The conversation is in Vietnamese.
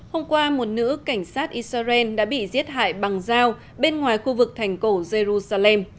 hôm qua một nữ cảnh sát israel đã bị giết hại bằng dao bên ngoài khu vực thành cổ jerusalem